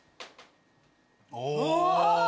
お！